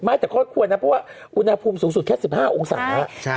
ไม่แต่ข้อควรนะเพราะว่าอุณหภูมิสูงสุดแค่๑๕องศา